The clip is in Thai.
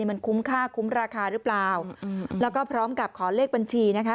มันคุ้มค่าคุ้มราคาหรือเปล่าแล้วก็พร้อมกับขอเลขบัญชีนะคะ